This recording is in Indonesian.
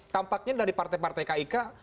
tampaknya dari partai partai kik